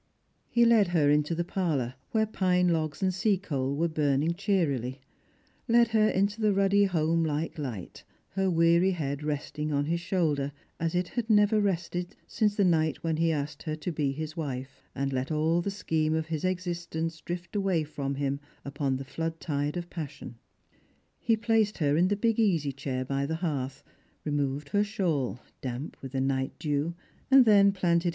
He led her into the parlour, where pine logs and sea coal were burning cheerily, led her into the ruddy home like light, her weary head resting on his shoulder ; as it had never rested since the night when he asked her to be his wife, and let all the Bcheme of his existence drift away from him upon the floodtide of passion. He placed her in the big^easy cliair by the hearth, removed her shawl, damp with the night dew, and then planted 336 Strangers and Pilgrims.